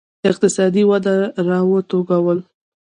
اقتصادي وده را وټوکول.